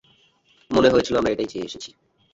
মনে হয়েছিল আমরা এটাই চেয়ে এসেছি।